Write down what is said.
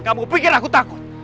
kamu pikir aku takut